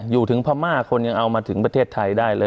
อยู่ถึงพม่าคนยังเอามาถึงประเทศไทยได้เลย